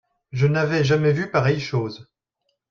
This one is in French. Je n'avais jamais vu pareille chose.